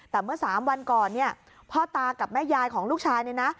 แต่เมื่อ๓วันก่อนเนี่ยพ่อตากับแม่ยายของลูกชายเนี่ยนะ